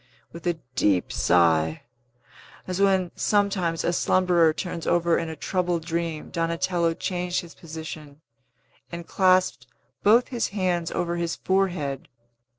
With a deep sigh as when, sometimes, a slumberer turns over in a troubled dream Donatello changed his position, and clasped both his hands over his forehead.